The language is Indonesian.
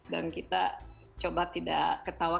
dan kita coba tidak ketawa